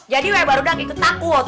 jadi baru baru lagi ketakut